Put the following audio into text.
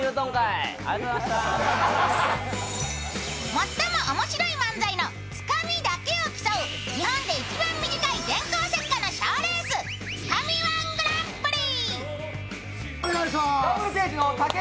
最も面白い漫才のつかみだけを競う日本で一番短い電光石火の賞レース、「つかみ−１グランプリ」。